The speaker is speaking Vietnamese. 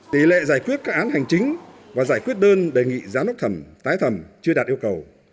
tỷ lệ giải quyết các án hành chính và giải quyết đơn đề nghị giá nóc thầm tái thầm chưa đạt yêu cầu